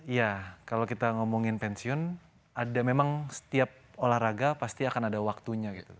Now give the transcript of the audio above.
ya kalau kita ngomongin pensiun ada memang setiap olahraga pasti akan ada waktunya gitu